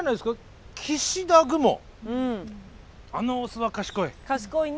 あのオスは賢い。